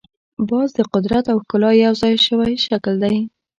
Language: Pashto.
باز د قدرت او ښکلا یو ځای شوی شکل دی